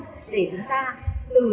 giáo dục cái ý thức bảo vệ môi trường